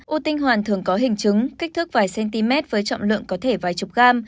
ô tinh hoàn thường có hình chứng kích thước vài cm với trọng lượng có thể vài chục gram